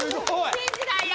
新時代や！